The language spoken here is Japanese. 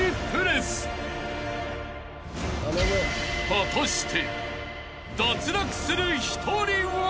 ［果たして］